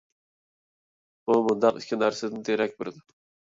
بۇ مۇنداق ئىككى نەرسىدىن دېرەك بېرىدۇ.